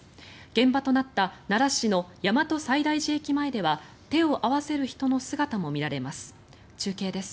現場となった奈良市の大和西大寺駅前では手を合わせる人の姿も見られます。